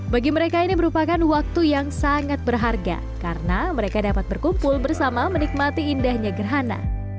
bagi mereka ini merupakan waktu yang sangat berharga karena mereka dapat berkumpul bersama menikmati indahnya gerhana